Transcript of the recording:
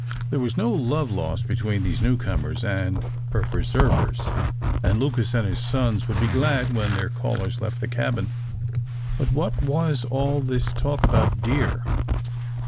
There was no love lost between these newcomers and her preservers, and Lucas and his sons would be glad when their callers left the cabin. But what was all this talk about deer?